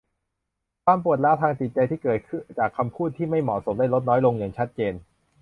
ความปวดร้าวทางจิตใจที่เกิดจากคำพูดที่ไม่เหมาะสมได้ลดน้อยลงอย่างชัดเจน